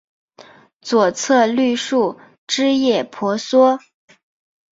左侧绿树枝叶婆娑